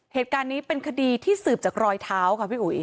เหตุการณ์นี้เป็นคดีที่สืบจากรอยเท้าค่ะพี่อุ๋ย